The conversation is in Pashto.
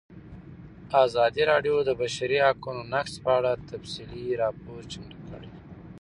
ازادي راډیو د د بشري حقونو نقض په اړه تفصیلي راپور چمتو کړی.